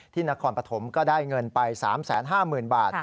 นครปฐมก็ได้เงินไป๓๕๐๐๐บาท